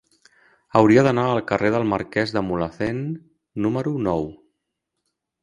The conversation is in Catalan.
Hauria d'anar al carrer del Marquès de Mulhacén número nou.